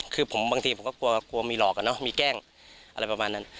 คือผมบางทีก็กลัวมีหลอกมีแกล้งอะไรประมาณนั้น